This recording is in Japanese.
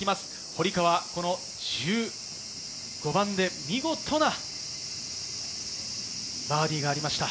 堀川、１５番で見事なバーディーがありました。